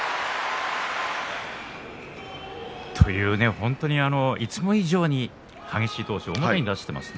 本当に、いつも以上に激しい闘志を表に出していますね。